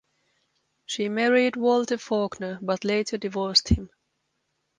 She married Walter Faulkner but later divorced him.